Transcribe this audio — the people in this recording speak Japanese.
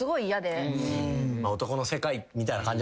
男の世界みたいな感じ。